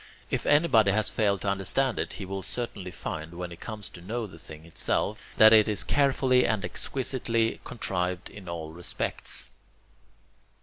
If anybody has failed to understand it, he will certainly find, when he comes to know the thing itself, that it is carefully and exquisitely contrived in all respects.